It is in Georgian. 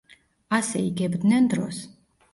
ასე იგებდნენ დროს.